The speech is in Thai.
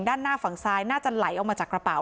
ด้านหน้าฝั่งซ้ายน่าจะไหลออกมาจากกระเป๋า